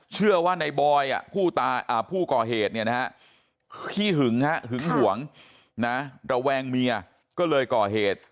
เชื่อว่าในบอยผู้ก่อเหตุขี้หึงหึงหวงนะระแวงเมียก็เลยก่อเหตุ